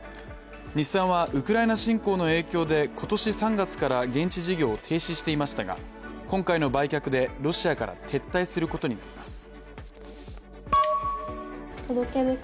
日産はウクライナ侵攻の影響で今年３月から現地事業を停止していましたが今回の売却でロシアから撤退することになります。